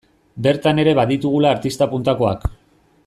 Bertan ere baditugula artista puntakoak.